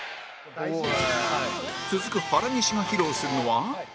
続く原西が披露するのは